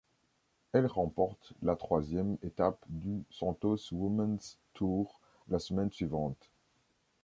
Elle remporte la troisième étape du Santos Women's Tour la semaine suivante.